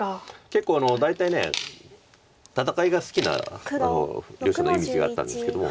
結構大体戦いが好きな両者のイメージがあったんですけども。